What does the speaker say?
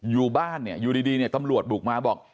อยู่บ้านอยู่ดีตำรวจบุกมาบอก